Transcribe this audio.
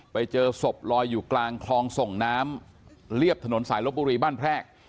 ไปเจอศพลอยอยู่กลางคลองส่งน้ำเรียบถนนสายลบบุรีบ้านแพรก